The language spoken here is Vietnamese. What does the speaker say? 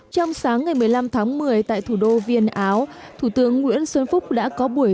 trong sáng ngày một mươi năm tháng một mươi tại thủ đô viên áo thủ tướng nguyễn xuân phúc đã có buổi